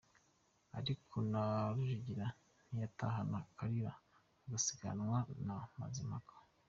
Ariko na Rujugira ntiyatahana Kalira, asigaranwa na Mazimpaka.